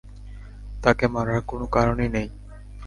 তাকে মারার কোন কারণই নেই।